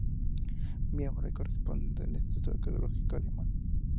Miembro correspondiente del Instituto Arqueológico Alemán.